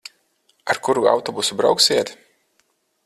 Ar kuru autobusu brauksiet?